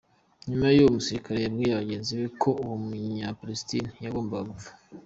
Nyuma uwo musirikare yabwiye bagenzi be ko uwo munyapalesitina yagombaga gupfa.